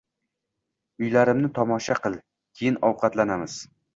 Uylarimni tomosha qil, keyin ovqatlanamiz.